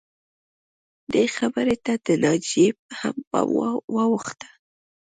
دې خبرې ته د ناجیې هم پام واوښته